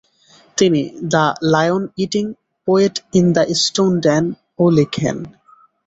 তিনি the lion eating poet in the stone den ও লিখেন।